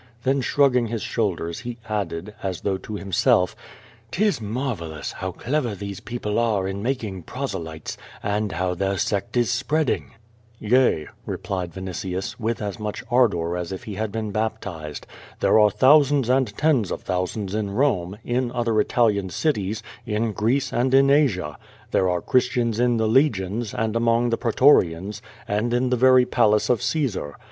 Then slirugging his shoulders, he added, as though to himself, "^Tis marvellous, how clever these people are in making proselytes, and how their sect is spreading." "Yea," replied Vinitius, with as much ardor as if he had been baptized. "There are thousands and tens of thousands in Rome, in other Italian cities, in Greece and in Asia. There are Christians in the legions and among the pretorians, and in the very palace of Caesar.